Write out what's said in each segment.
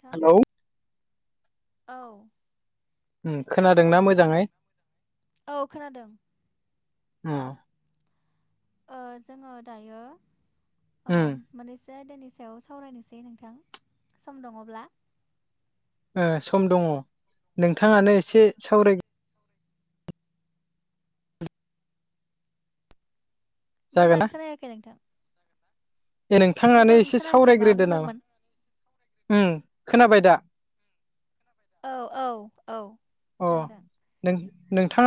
थां हेलौ औ उम ओ खोनादोंना मोजाङै औ खोनादों उम ओ जोङो दायो उम ओम मोननैसो आदोनि सायाव सावरायनोसै नोंथां सम दङब्ला। ओ सम दङ नोंथाङानो एसे सावराय मोजां जागोना खोनायाखै नोंथां ए नोंथाङानो मोजां एसे खोनायाखै मा सावरायग्रोदो नामा। बुंदोंमोन उम खोनाबाय दा। औ औ औ अ खोनादों नों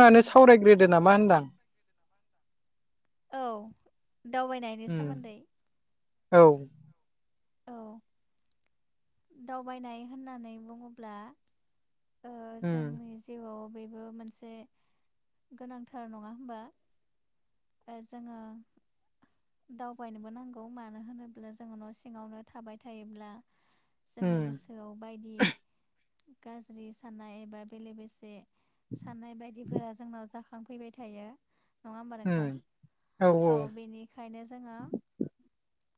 ओ सावरायग्रोदो नामा होनदां। औ दावबायनायनि उम सोमोन्दै। औ औ दावबायनाय होननानै बुङोब्ला ओ उम जोंनि जिउआव बेबो मोनसे गोनांथार नङा होमबा। ओ जोङो दावबायनोबो नांगौ मानो होनोब्ला जोङो न' सिङावनो थाबाय थायोब्ला जोंनि उम गोसोआव बायदि गाज्रि साननाय एबा बेले बेजे साननाय बायदिफोरा जोंनाव जाखांफैबाय थायो। नङा होमबा नोंथां उम औ बेनि बेखायनो जोङो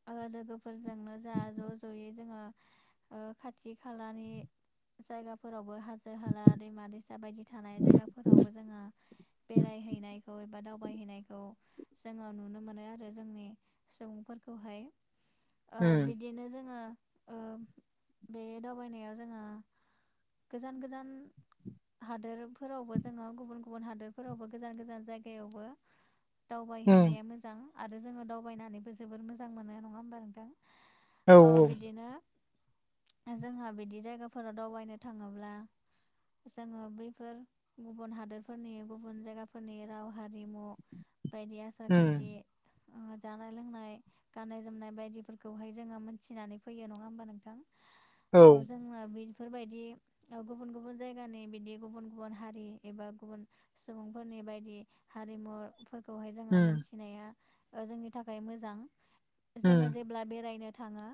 ओ लोगोफोरजोंनो जोंहा ज' ज'यै जोङो ओक्षखाथि खालानि जायगाफोरावबो हा जोहला दैमा दैसा बायदि थानाय जायगाफोरावबो जोङो बेरायहैनाय एबा दावबायहैनायखौ जोङो नुनो मोनो आरो जोंनि सुबुंफोरखौहाय ओ उम बिदिनो जोङो ओ बे दावबायनायाव जोङो गोजान गोजान हादोरफोरावबो जोङो गुबुन गुबुन हादोरफोरावबो गोजान गोजान जायगायावबो उम दावबायहैनाया मोजां आरो जोङो दावबायनानैबो जोबोर मोजां मोनो नङा होमबा नोंथां। औ बिदिनो जोंहा बिदि जायगाफोराव दावबायनो थाङोब्ला जोङो बैफोर गुबुन हादोरफोरनि गुबुन जायगाफोरनि राव हारिमु बायदि आसार उम खान्थि ओ जानाय लोंनाय गाननाय जोमनाय बायदिफोरखौहाय जोङो मोनथिनानै फैयो नङा होमबा नोंथां। औ जोङो बेफोरबायदि ओ गुबुन गुबुन जायगानि बिदि गुबुन गुबुन हारि एबा गुबुन सुबुंफोरनि बायदि हारिमुफोर खौ जोङो उम मोन्थिनाया ओ जोंनि थाखाय मोजां उम जोङो जे ब्ला बेरायनो थाङो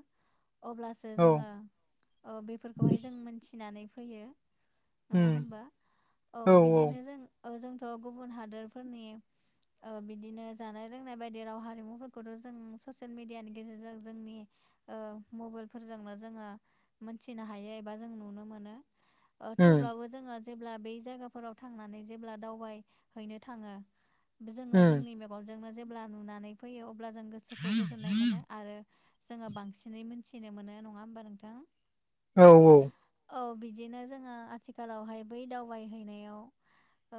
अब्लासो औ जोङो ओ बेफोरखौहाय जों मोनथिनानै फैयो। नङा उम होमबा औ बिदिनो जों ओ जोंथ' गुबुन हादोरफोरनि ओ बिदिनो जानाय रोंनाय बायदि राव हारिमुफोरखौथ' जों ससियेल मिडियानि गेजेरजों जोंनि ओ मबाइलफोरजोंनो जोङो मोनथिनो हायो एबा जों नुनो मोनो‌। ओ उम थेवब्लाबो जोङो जेब्ला बै जायगाफोराव थांनानै जेब्ला दावबायहैनो थाङो जोङो उम जोंनि मेगनजोंनो जेब्ला नुनानै फैयो अब्ला जों गोसोखौ गोजोननाय मोनो आरो जोङो बांसिनै मोनथिनो मोनो। नङा होमबा नोंथां? औ औ। औ बिदिनो जोङो आथिखालावहाय बै दावबायहैनायाव ओ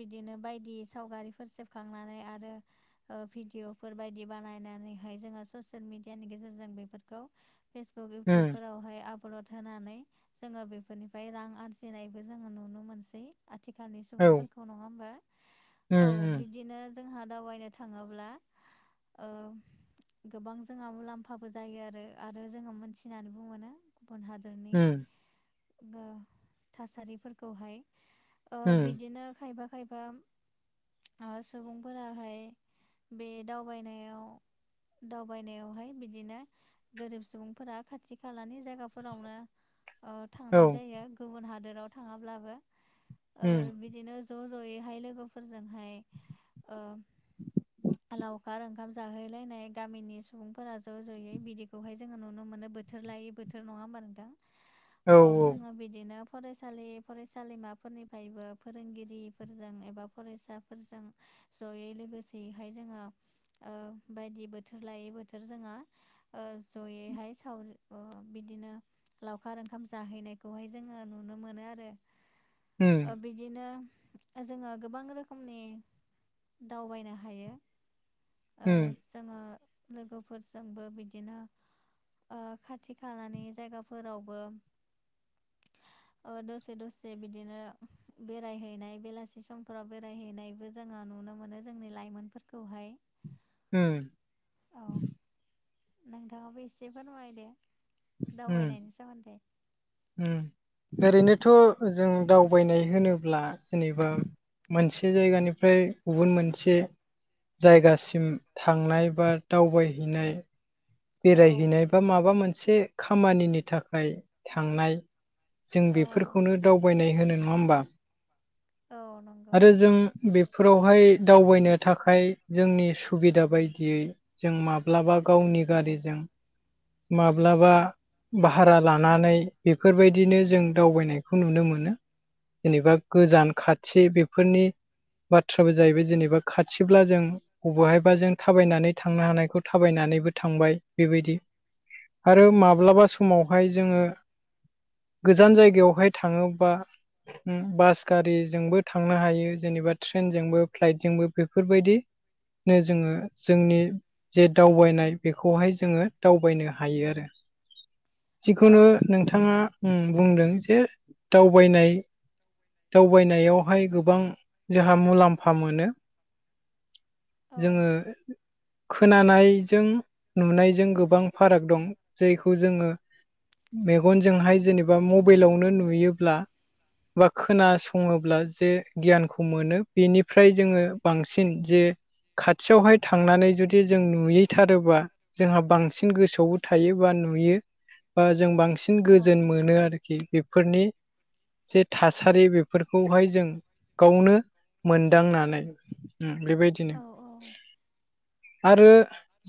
बिदिनो बायदि सावगारिफोर सेबखांनानै आरो ओ भिडिअफोर बायदि बानायनानैहाय जोङो ससियेल मिडियानि गेजेरजों बेफोरखौ फेसबुक उम इउटुबफोरावहाय आबरड होनानै जोङो बेफोरनिफ्राय रां आरजिनायबो जोङो नुनो मोनसै। आथिखालनि औ सुबुंफोरखौ। नङा होमबा? औ उम उम बिदिनो जोंहा दावबायनो थाङोब्ला ओ गोबां जोंहा मुलाम्फाबो जायो आरो। आरो जोङो मोनथिनानैबु मोनो। गुबुन हादरनि उम गो थासारिफोरखौहाय ओ उम बिदिनो खायफा खायफा ओस सुबुंफोराहाय बे दावबायनायाव दावबायनायावहाय बिदिनो गोरिब सुबुंफोरा खाथि खालानि जायगाफोरावनो ओ औ थांनाय जायो। गुबुन हादोराव थाङाब्लाबो। ओ उम बि बिदिनो ज' ज'यैहाय लोगोफोरजोंहाय ओ लाव खार ओंखाम जाहैलायनाय गामिनि सुबुंफोरा ज' ज'यै बिदिखौहाय जोङो नुनो मोनो। बोथ थोर लायै बोथोर, नङा होमबा नोंथां? औ जोङो बिदिनो फरायसालि फरायसालिमाफोरनिफ्रायबो फोरोंगिरिफोरजों एबा फरायसा फोरजों ज'यै लोगोसेयैहाय जोङो ओ बायदि बोथोर लायै बोथोर जोङो ओ ज'यैहाय सावरि ओ बिदिनो लावखार ओंखाम जाहैनायखौहाय जोङो नुनो मोनो आरो। उम ओ बिदिनो जोङो गोबां रोखो खोमनि दावबायनो हायो। ओ उम जोङो लोगोफोरजोंबो बिदिनो ओ खाथि खालानि जायगाफोरावबो ओ दसे दसे बिदिनो बेरायहैनाय बेलासि समफोराव बेरायहैनायबो जोङो नुनो मोनो जोंनि लाइमोनफोरखौहाय। ओम। औ, नोंथाङाबो एसे फोरमायदे उम दावबायनायनि सोमोन्दै। उम ओरैनोथ' जों दावबायनाय होनोब्ला जेनेबा मोनसे जायगानिफ्राय गुबुन मोनसे जायगासिम थांनाय बा दावबायहैनाय औ बेरायहैनाय बा माबा मोनसे खामानिनि थाखाय थांनाय। जों औ बेफोरखौनो दावबायनाय होनो। नङा होमबा? औ न आरो जों बेफोरावहाय दावबायनो थाखाय जोंनि सुबिदा बायदियै जों माब्लाबा गावनि गारिजों माब्लाबा भारा लानानै बेफोरबायदिनो जों दावबायनायखौ नुनो मोनो। जेनेबा गोजान खाथि बेफोरनि बाथ्राबो जाहैबाय जेनेबा खाथिब्ला जों अबहायबा जों थाबायनानै थांनो हानायखौ थाबायनानैबो थांबाय बेबायदि। आरो माब्लाबा समावहाय जोङो गोजान जायगायावहाय थाङोबा उम बास गारिजोंबो थांनो हायो जेनेबा ट्रेनजोंबो फ्लाइटजोंबो बेफोरबायदि नो जोङो जोंनि जे दावबायनाय बेखौहाय जोङो दाव यनो हायो आरो औ जिखुनु नोंथाङा ओम बुंदों जे दावबायनाय दावबायनायावहाय गोबां जोंहा मुलाम्फा मोनो औ जोङो खोनानायजों नुनायजों गोबां फाराग दं जायखौ जोङो मेगनजोंहाय जेनेबा मबाइलावनो नुयोब्ला बा खोनासङोब्ला जे गियानखौ मोनो बेनिफ्राय जोङो बांसिन जे खाथियावहाय थांनानै जुदि जों नुयैथारोबा जोंहा बांसिन गोसोआवबो थायो बा नुयो बा जों बांसिन बांसिन औ गोजोन मोनो आरोखि बेफोरनि जे थासारि बेफोरखौहाय जों गावनो मोनदांनानै ओम बेबाय औ औ आरो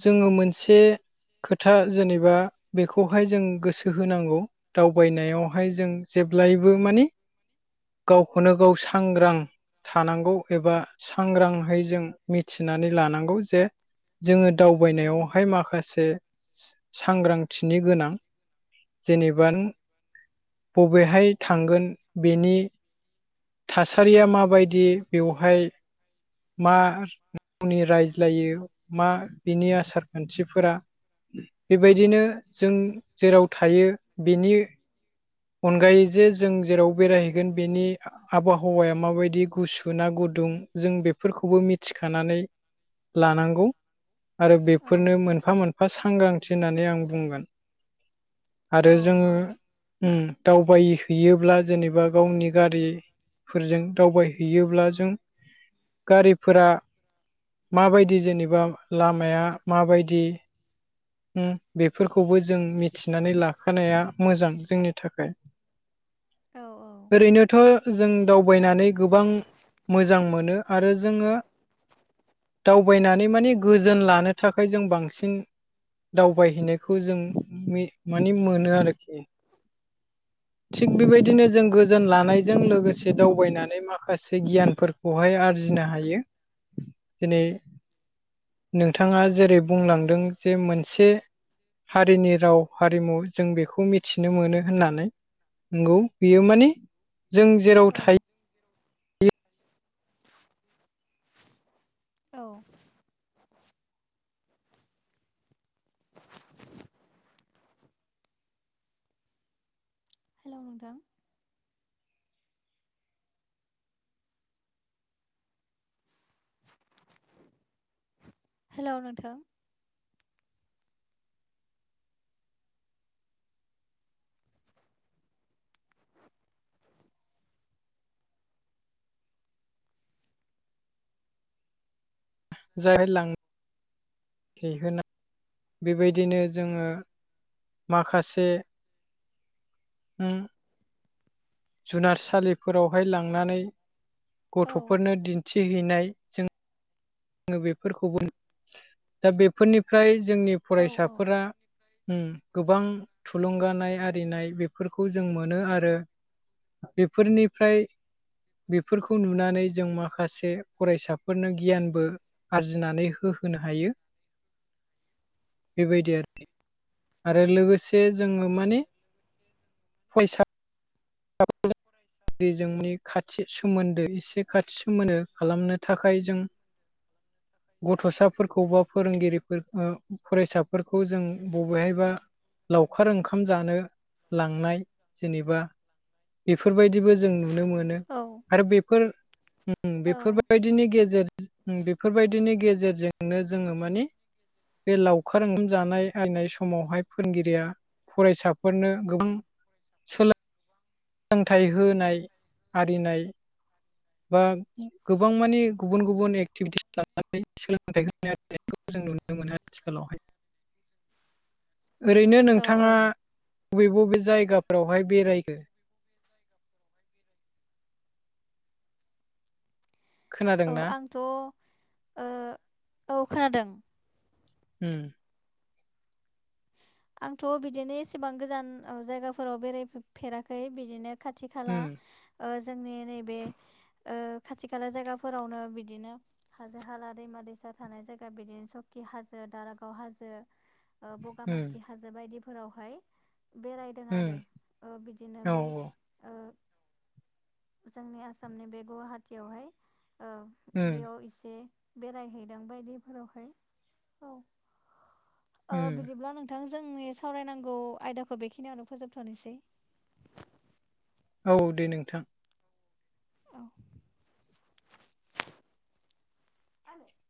जोङो मोनसे खोथा जेनेबा बेखौहाय जों गोसो होनांगौ दावबायनायावहाय जों जेब्लायबो मानि गावखौनो गाव सांग्रां थानांगौ एबा सांग्रांहाय जों मिथिनानै लानांगौ जे जोङो दावबायनायावहाय माखासे सांग्रांथिनि गोनां जेनेबा अबेहाय थांगोन बेनि थासारिया माबायदि बेवहाय मा [unintelligible] रायज्लायो मा बिनि आसार खान्थिफोरा बेबायदिनो जों जेराव थायो बिनि अनगायै जे जों जेराव बेरायहैगोन बेनि आबहावाया माबायदि गुसु ना गुदुं जों बेफोरखौबो मि थिखानानै लानांगौ आरो औ बेफोरनो मोनफा मोनफा सांग्रांथि होननानै आं बुंगोन आरो औ जोङो नंगौ ओम दावबाय हैैयोब्ला जेनेबा गावनि गारि फोरजों दावबायहैयोब्ला जों गारि फोरा माबायदि जेनेबा लामाया माबायदि ओम बेफोरखौबो जों मिथिनानै लाखानाया मोजां जोंनि थाखाय औ औ ओरैनोथ' जों दावबायनानै गोबां मोजां मोनो आरो जोङो दावबायनानै माने गोजोन लानो थाखाय जों बांसिन दावबायहैनायखौ जों मानि मोनो आरोखि [inaudible] थिग बेबायदिनो जों गोजोन लानायजों लोगोसे दावबायनानै माखासे गियानफोर खौहाय आरजिनो हायो दिनै नोंथाङा जेरै बुंलांदों जे मोनसे हारिनि राव हारिमु जों बेखौ मिथिनो मोनो होननानै नंगौ बेयो माने जों जेराव औ थायो औ हेलौ नोंथां हेलौ नोंथां जागाय लां बेखौनो बेबायदिनो जोङो माखासे उम जुनारसालिफोरावहाय लांनानै औ गथ'फोरनो दिन्थिहैनाय ङो बेफोरखौबो दा बेफोरनिफ्राय जोंनि औ फरायसाफोरा उम गोबां थुलुंगानाय आरिनाय बेफोरखौ जों मोनो आरो बेफोरनिफ्राय बेफोरखौ नुनानै जों माखासे फरायसाफोरनो गियानबो आरजिनानै होहोनो हायो। बेबायदि आरोखि आरो लोगोसे जोङो माने फरायसा [unintelligible] जोंनि खाथि सोमोन्दो एसे खाथि सोमोन्दो खालामनो थाखाय जों [inaudible] गथ'साफोरखौ बा फोरोंगिरि फरायसाफोरखौ जों बबेहायबा लावखार ओंखाम जानो लांनाय जेनेबा बेफोरबायदिबो जों नुनो मोनो औ आरो बेफोर उम औ बेफोरबायदिनि गेजेरजों बेफोरबायदिनि गेजेरजोंनो जोङो माने बे लावखार ओंखाम जानाय आयनाय समावहाय फोरोंगिरिया फरायसाफोरनो गोबां सोलोंथाइ होनाय आरिनाय बा गोबां मानि गुबुन गुबुन एक्टिभिटिस लानानै सोलोंथाइ होनाय आरो जों नुनो मोनो आथिखालावहाय। [inaudible] ओरैनो औ औ नोंथाङा बबे बबे जायगाफोरावहाय बेरायखो? खोनादोंना? थ' ओ औ खोनादों। उम। आंथ' बिदिनो एसेबां गोजान जायगाफोराव बेरायफेराखै बिदिनो खाथि खाला उम जोंनि नैबे खाथि खाला जायगाफोरावनो बिदिनो हाजो हाला दैमा दैसा थानाय जायगा बिदिनो सकि हाजो दारागाव हाजो उम बगामाथि हाजो बायदिफोरावहाय बेरायदों आरो उम ओ बिदिनो औ बे औ ओ जोंनि आसामनि बे गुवाहाटियावहाय ओ उम बेयाव एसे बेरायहैदों बायदिफोरावहाय औ ओ उम बिदिब्ला नों नोंथां जोंनि सावरायनांगौ आयदाखौ बेखिनियावनो फोजोबथ'नोसै। औ दे नोंथां। औ। [unintelligible]